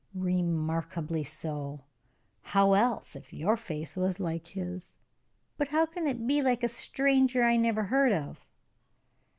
"Remarkably so. How else, if your face was like his?" "But how can it be like a stranger I never heard of?"